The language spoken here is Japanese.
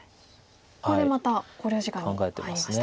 ここでまた考慮時間に入りました。